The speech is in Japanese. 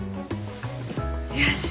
よし！